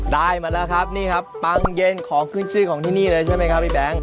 ได้มาแล้วครับนี่ครับปังเย็นของขึ้นชื่อของที่นี่เลยใช่ไหมครับพี่แบงค